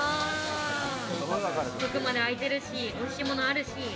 遅くまで開いてるし、おいしいものあるし。